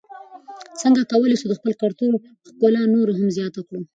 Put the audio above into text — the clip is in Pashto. څنګه کولای سو د خپل کلتور ښکلا نوره هم زیاته کړو؟